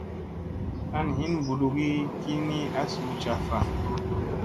An hin mbuɗugi ki ni a suu caffa.